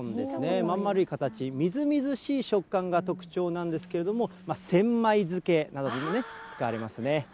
まん丸い形、みずみずしい食感が特徴なんですけれども、千枚漬けなどにもね、使われますね。